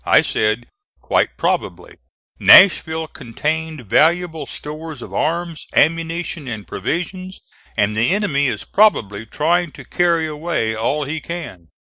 I said: "Quite probably; Nashville contained valuable stores of arms, ammunition and provisions, and the enemy is probably trying to carry away all he can.